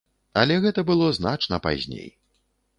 Але гэта было значна пазней.